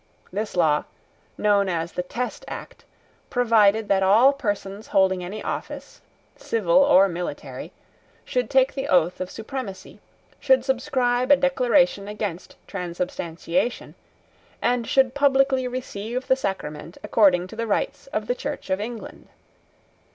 This law, known as the Test Act, provided that all persons holding any office, civil or military, should take the oath of supremacy, should subscribe a declaration against transubstantiation, and should publicly receive the sacrament according to the rites of the Church of England.